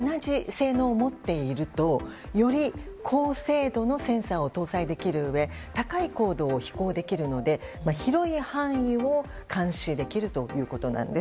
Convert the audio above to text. そして、エンジンも大きくて仮に同じ性能を持っているとより高精度のセンサーを搭載できるうえ高い高度を飛行できるので広い範囲を監視できるということなんです。